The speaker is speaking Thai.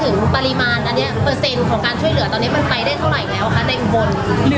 อุบลเหลืออีกเท่าไหร่